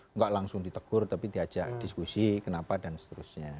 enggak langsung ditegur tapi diajak diskusi kenapa dan seterusnya